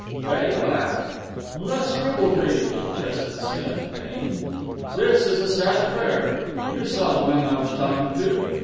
Betty laughed. "Less ribaldry," protested Smith pained. "This is a sad affair. You saw the man I was talking to?